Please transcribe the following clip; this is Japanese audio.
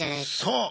そう！